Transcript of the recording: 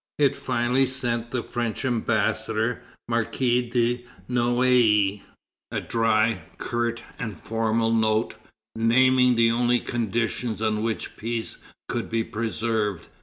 It finally sent the French Ambassador, Marquis de Noailles, a dry, curt, and formal note, naming the only conditions on which peace could be preserved.